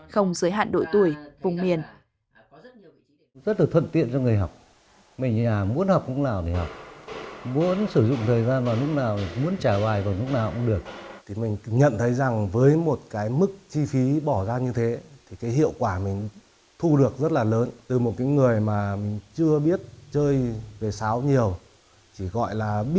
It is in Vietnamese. không giới hạn đội tuổi